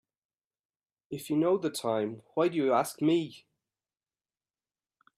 If you know the time why do you ask me?